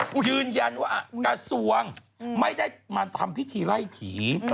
กูยืนยันว่ากระทรวงไม่ได้มาทำพิธีไล่ผี